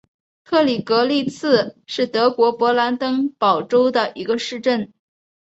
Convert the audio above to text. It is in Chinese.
特里格利茨是德国勃兰登堡州的一个市镇。